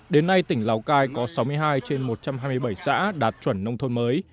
đến nay tỉnh lào cai có sáu mươi hai trên một trăm hai mươi bảy xã đạt chuẩn nông thôn mới